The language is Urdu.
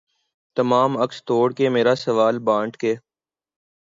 تمام عکس توڑ کے مرا سوال بانٹ کے